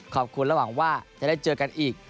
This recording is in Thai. ขอบคุณและหวังว่าจะได้เจอกันอีก